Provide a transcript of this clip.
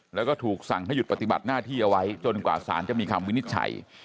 แล้วก็ถูกสั่งให้หยุดปฏิบัติหน้าที่เอาไว้จนกว่าสารจะมีคำวินิจฉัย